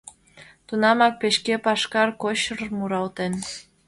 Тунамак печке пашкар кочыр-р муралтен.